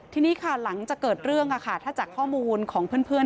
ทีนี้ค่ะหลังจากเกิดเรื่องถ้าจากข้อมูลของเพื่อน